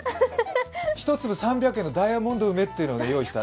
１粒３００円のダイヤモンド梅を用意した。